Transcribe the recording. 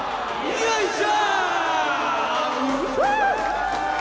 よいしょ！